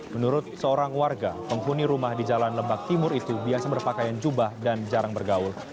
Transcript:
menurut seorang warga penghuni rumah di jalan lebak timur itu biasa berpakaian jubah dan jarang bergaul